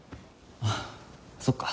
ああそっか。